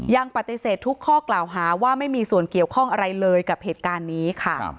ยังปฏิเสธทุกข้อกล่าวหาว่าไม่มีส่วนเกี่ยวข้องอะไรเลยกับเหตุการณ์นี้ค่ะ